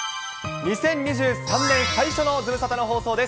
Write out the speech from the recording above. ２０２３年最初のズムサタの放送です。